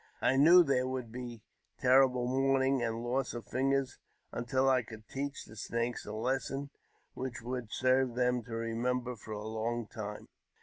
I knew there would be terrible mourning ;nd loss of fingers, until I could teach the Snakes a lesson l^hich would serve them to remember for a long time.